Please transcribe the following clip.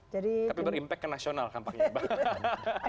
tapi berimpak ke nasional kan pak wibi